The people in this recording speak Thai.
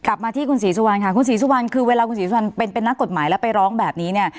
กลับมาที่คุณศรีสุวรรณค่ะคุณศรีสุวรรณคือเวลาคุณศรีสุวรรณเป็นนักกฎหมายแล้วไปร้องแบบนี้เนี่ย